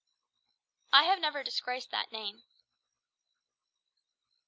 "I have never disgraced that name."